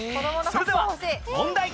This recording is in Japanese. それでは問題